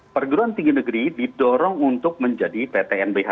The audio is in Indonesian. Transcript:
perguruan tinggi negeri didorong untuk menjadi ptnbh